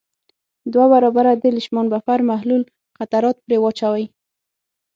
دوه برابره د لیشمان بفر محلول قطرات پرې واچوئ.